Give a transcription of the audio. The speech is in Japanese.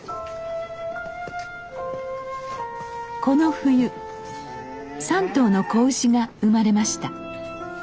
この冬３頭の子牛が生まれました。